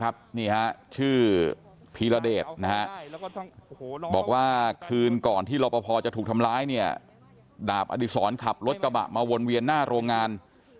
บอกว่าคืนก่อนที่รอปภจะถูกทำร้ายดาบอดิษรขับรถกระบะมาวนเวียนหน้าโรงงาน